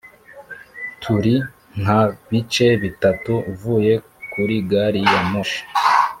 turi nka bice bitatu uvuye kuri gari ya moshi.